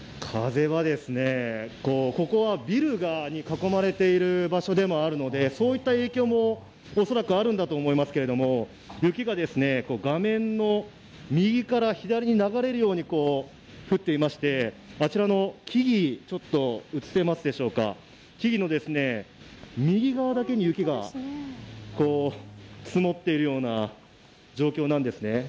風は、ここはビルに囲まれている場所でもあるので、そういった影響も恐らくあるのだと思いますけれども、雪が画面の右から左に流れるように降っていましてあちらの木々の右側だけに雪が積もっているような状況なんですね。